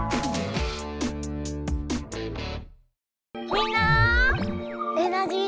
みんなエナジー